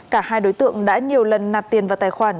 cả hai đối tượng đã nhiều lần nạp tiền vào tài khoản